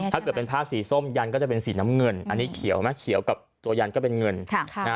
ถ้าเกิดเป็นผ้าสีส้มยันก็จะเป็นสีน้ำเงินอันนี้เขียวไหมเขียวกับตัวยันก็เป็นเงิน